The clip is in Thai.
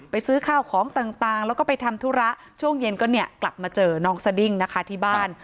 ซื้อข้าวของต่างแล้วก็ไปทำธุระช่วงเย็นก็เนี่ยกลับมาเจอน้องสดิ้งนะคะที่บ้าน